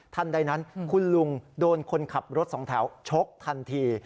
ใดนั้นคุณลุงโดนคนขับรถสองแถวชกทันที